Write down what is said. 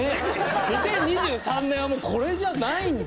２０２３年はもうこれじゃないんだ。